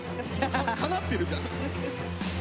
かなってるじゃん。